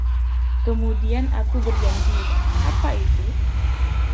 Kemudian aku berjanji; apa itu?